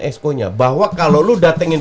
esco nya bahwa kalau lu datengin